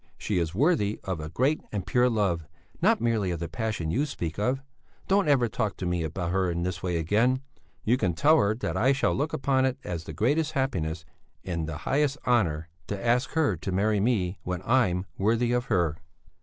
She is worthy of a great and pure love, not merely of the passion you speak of. Don't ever talk to me about her in this way again. You can tell her that I shall look upon it as the greatest happiness, the highest honour, to ask her to marry me when I'm worthy of her."